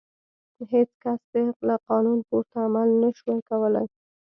هېڅ کس له قانون پورته عمل نه شوای کولای.